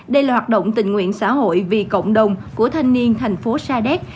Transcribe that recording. đây là hoạt động tình nguyện xã hội vì cộng đồng của thanh niên thành phố sa đéc